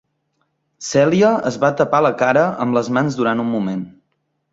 Celia es va tapar la cara amb les mans durant un moment.